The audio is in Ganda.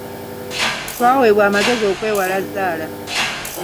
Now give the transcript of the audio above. Twaweebwa amagezi okwewala zzaala.